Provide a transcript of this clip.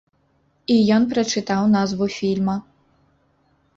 І ён прачытаў назву фільма.